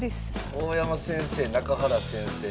大山先生中原先生。